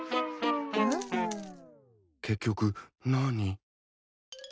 結局何？